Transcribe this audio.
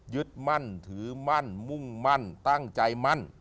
ยึดมั่นถือมั่นมุ่งมั่นตั้งใจมั่น